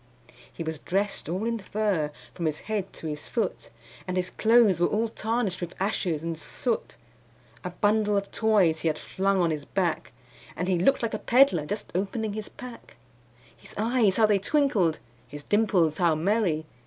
He was dressed all in fur from his head to his foot, And his clothes were all tarnished with ashes and soot; A bundle of toys he had flung on his back, And he looked like a peddler just opening his pack; His eyes how they twinkled! his dimples how merry!